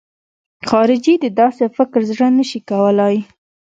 خارجي د داسې فکر زړه نه شي کولای.